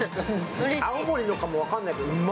青森のかも分かんないけど、うんま！